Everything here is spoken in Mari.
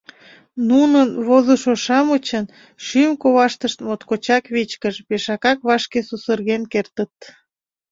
Нунын, возышо-шамычын, шӱм коваштышт моткочак вичкыж, пешакак вашке сусырген кертыт...